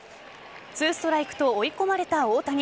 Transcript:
２ストライクと追い込まれた大谷。